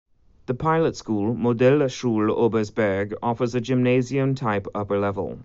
The pilot school "Modellschule Obersberg" offers a Gymnasium-type upper level.